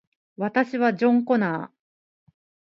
私はジョン・コナー